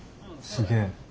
すげえ。